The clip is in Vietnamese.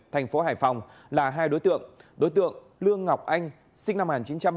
tp hải phòng là hai đối tượng đối tượng lương ngọc anh sinh năm một nghìn chín trăm bảy mươi chín